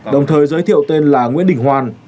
đồng thời giới thiệu tên là nguyễn đình hoan